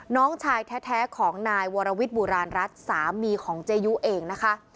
น้องชายแท้ของนายวรวิทย์บุราณรัฐสามีของเจยุเองนะคะ